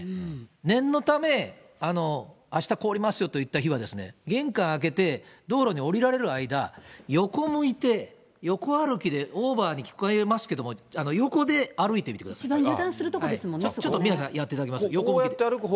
念のためあした、凍りますよといった日は、玄関開けて、道路に下りられる間、横向いて、横歩きでオーバーに聞こえますけ一番油断するところですもんちょっと宮根さん、やっていこうやって歩く方が。